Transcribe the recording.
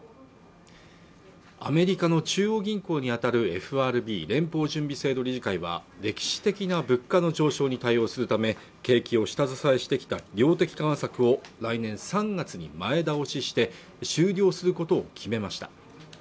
アメリカの中央銀行にあたるＦＲＢ＝連邦準備制度理事会は歴史的な物価の上昇に対応するため景気を下支えしてきた量的緩和策を来年３月に前倒しして終了することを決めました